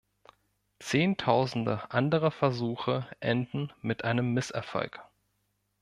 Zehntausende anderer Versuche enden mit einem Misserfolg.